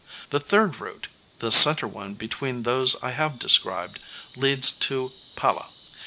The third route, the center one between those I have described, leads to Pala.